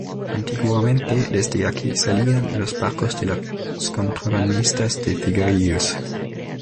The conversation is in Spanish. Antiguamente desde aquí salían los barcos de los contrabandistas de cigarrillos.